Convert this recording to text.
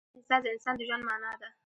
دا احساس د انسان د ژوند معنی ده.